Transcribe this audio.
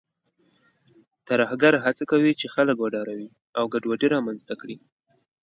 ترهګر هڅه کوي چې خلک وډاروي او ګډوډي رامنځته کړي.